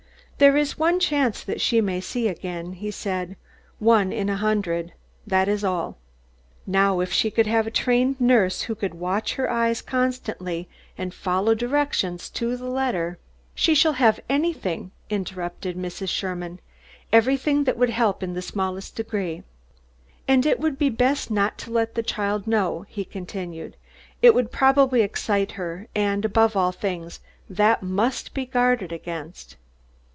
"There is one chance that she may see again," he said, "one in a hundred. That is all. Now if she could have a trained nurse who could watch her eyes constantly and follow directions to the letter " "She shall have anything!" interrupted Mrs. Sherman. "Everything that would help in the smallest degree." "And it would be best not to let the child know," he continued. "It would probably excite her, and, above all things, that must be guarded against."